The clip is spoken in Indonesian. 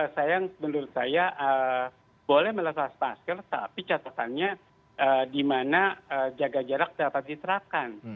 saya menurut saya boleh melepas masker tapi catatannya di mana jaga jarak dapat diterapkan